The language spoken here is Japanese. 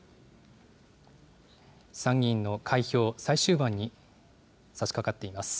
参議院の開票、最終盤にさしかかっています。